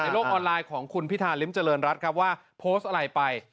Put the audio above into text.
โลกออนไลน์ของคุณพิธาริมเจริญรัฐครับว่าโพสต์อะไรไป